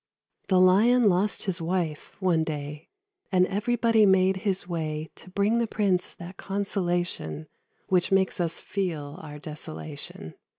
The Lion lost his wife, one day; And everybody made his way To bring the prince that consolation Which makes us feel our desolation.